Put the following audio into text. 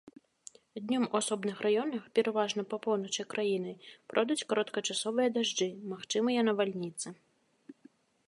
Днём у асобных раёнах, пераважна па поўначы краіны, пройдуць кароткачасовыя дажджы, магчымыя навальніцы.